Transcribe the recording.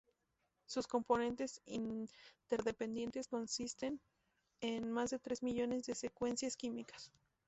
Sus componentes interdependientes consisten en más tres mil millones de secuencias químicas.